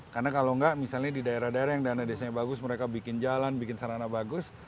karena kalau enggak misalnya di daerah daerah yang dana desanya bagus mereka bikin jalan bikin sarana bagus